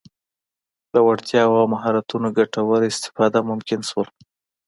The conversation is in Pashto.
له وړتیاوو او مهارتونو ګټوره استفاده ممکن شول.